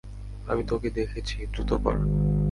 আমি তোকে দেখেছি, দ্রুত কর।